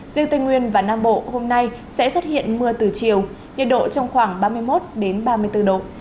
riêng tây nguyên và nam bộ hôm nay sẽ xuất hiện mưa từ chiều nhiệt độ trong khoảng ba mươi một ba mươi bốn độ